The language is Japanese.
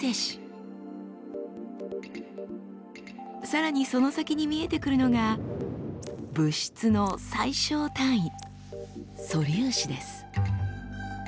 さらにその先に見えてくるのが物質の最小単位素粒子です。